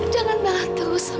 jangan marah terus sama saya yudi